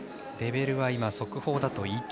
レベルは速報だと１。